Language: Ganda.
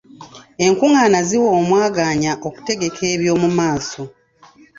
Enkungaana ziwa omwagaanya okutegeka eby'omumaaso.